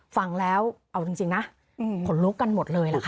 ฟังแล้วเอาจริงนะขนลุกกันหมดเลยล่ะค่ะ